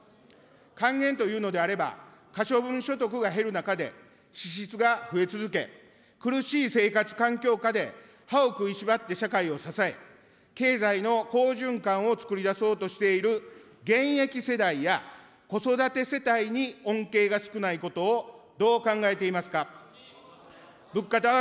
還元というのであれば、可処分所得が減る中で、支出が増え続け、苦しい生活環境下で歯を食いしばって社会を支え、経済の好循環を創り出そうとしている現役世代や子育て世帯に恩恵が少ないことをどう考えていますか。